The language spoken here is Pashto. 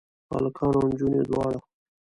هلکان او انجونې دواړه؟